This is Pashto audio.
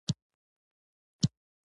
پخواني ټیټ زاړه غرونه دي.